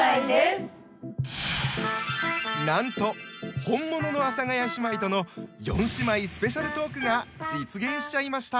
なんと本物の阿佐ヶ谷姉妹との四姉妹スペシャルトークが実現しちゃいました。